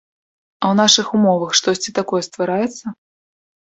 А ў нашых умовах штосьці такое ствараецца?